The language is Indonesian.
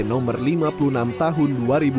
nomor lima puluh enam tahun dua ribu enam belas